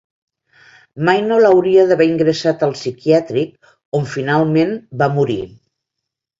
Mai no l'hauria d'haver ingressat al psiquiàtric on finalment va morir.